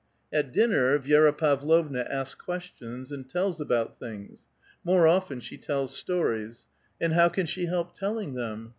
At dinner Vi^ra Pavlovna asks questions and tells about things ; more often she tells stories. And how can she help telling them?